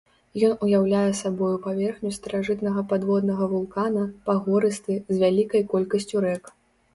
Ён уяўляе сабою паверхню старажытнага падводнага вулкана, пагорысты, з вялікай колькасцю рэк.